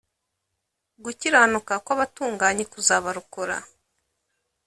gukiranuka kw’abatunganye kuzabarokora,